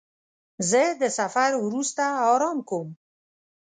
زه د سفر وروسته آرام کوم.